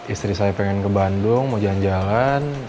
istri saya pengen ke bandung mau jalan jalan